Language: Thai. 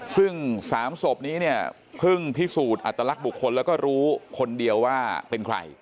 ซึ่ง๓ศพนี้เนี่ยเพิ่งพิสูจน์อัตลักษณ์บุคคลแล้วก็รู้คนเดียวว่าเป็นใคร